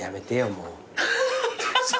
もう。